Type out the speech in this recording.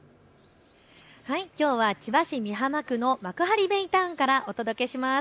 きょうは千葉市美浜区の幕張ベイタウンからお届けします。